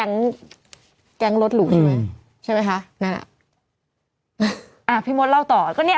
แก๊งแก๊งรถหรูใช่ไหมใช่ไหมคะนั่นอ่ะอ่าพี่มดเล่าต่อก็เนี้ย